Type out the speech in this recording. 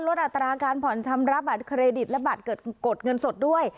อัตราการผ่อนชำระบัตรเครดิตและบัตรกดเงินสดด้วย